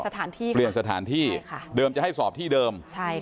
แต่เปลี่ยนสถานที่เดิมจะให้สอบที่เดิม